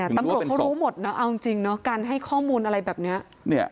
ตำรวจเขารู้หมดนะเอาจริงเนาะการให้ข้อมูลอะไรแบบนี้